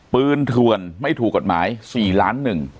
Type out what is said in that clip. ปืนทวนไม่ถูกกฎหมาย๔ล้าน๑